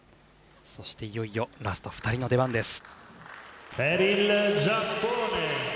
そしていよいよラスト２人の出番です。